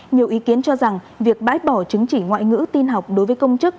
nhiều ý kiến cho rằng việc bãi bỏ chứng chỉ ngoại ngữ tin học đối với công chức